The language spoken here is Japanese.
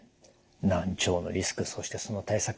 難聴のリスクそしてその対策